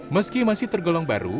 meski masih tergolong baru